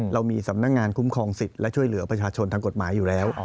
เรามีสำนักงานคุ้มครองสิทธิ์และช่วยเหลือประชาชนทางกฎหมายอยู่แล้ว